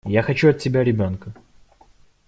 Я хочу от тебя ребёнка!